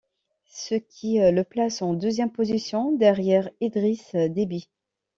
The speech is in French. Ce qui le place en deuxième position derrière Idriss Deby.